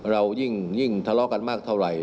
เรายิ่งทะเลาะกันมากเท่าไหร่